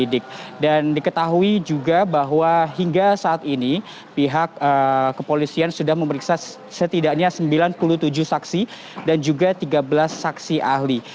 dan diketahui juga bahwa hingga saat ini pihak kepolisian sudah memeriksa setidaknya sembilan puluh tujuh saksi dan juga tiga belas saksi ahli